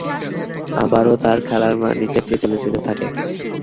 আবারো তার খেলার মান নিচেরদিকে চলে যেতে থাকে।